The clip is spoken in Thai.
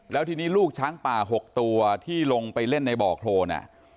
แล้วทีนี้ลูกช้างป่า๖ตัวที่ลงไปเล่นในบ่อโครน